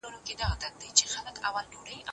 د خوراک کنټرول د روغتیا سبب دی.